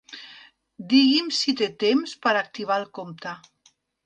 Digui'm si té temps per activar el compte.